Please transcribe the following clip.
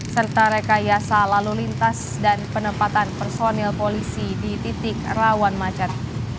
serta rekayasa lalu lintas dan penempatan personil polisi di titik rawan macet